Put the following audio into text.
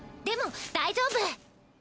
でも大丈夫！